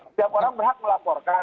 setiap orang berhak melaporkan